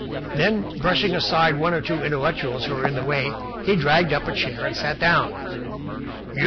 Then, brushing aside one or two intellectuals who were in the way, he dragged up a chair and sat down.